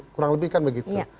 kurang lebih kan begitu